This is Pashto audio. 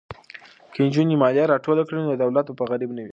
که نجونې مالیه راټوله کړي نو دولت به غریب نه وي.